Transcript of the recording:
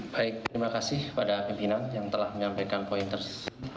baik terima kasih kepada pimpinan yang telah menyampaikan pointers